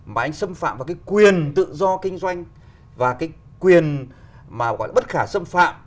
mà anh xâm phạm vào cái quyền tự do kinh doanh và cái quyền mà gọi là bất khả xâm phạm